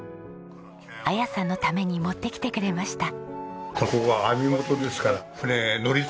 彩さんのために持ってきてくれました。